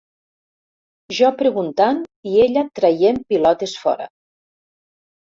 Jo preguntant i ella traient pilotes fora.